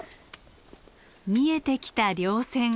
見えてきた稜線。